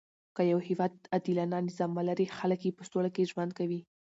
که يو هیواد عادلانه نظام ولري؛ خلک ئې په سوله کښي ژوند کوي.